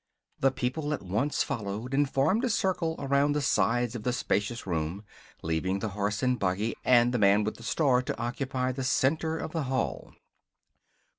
The people at once followed and formed a circle around the sides of the spacious room, leaving the horse and buggy and the man with the star to occupy the center of the hall.